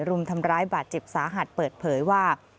รุมทำร้ายบาดเจ็บสาหัสเปิดเผยว่า